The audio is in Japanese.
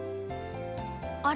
あれ？